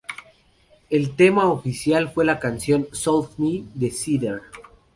El tema oficial fue la canción ""Sold Me"" de Seether.